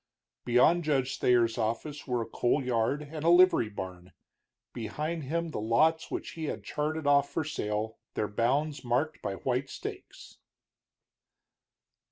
Beyond Judge Thayer's office were a coal yard and a livery barn; behind him the lots which he had charted off for sale, their bounds marked by white stakes.